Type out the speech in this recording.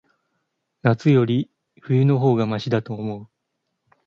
夏より、冬の方がましだと思う。